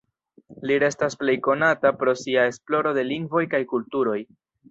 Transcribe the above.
Li restas plej konata pro sia esploro de lingvoj kaj kulturoj.